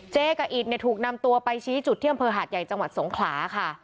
กับอิตเนี่ยถูกนำตัวไปชี้จุดที่อำเภอหาดใหญ่จังหวัดสงขลาค่ะ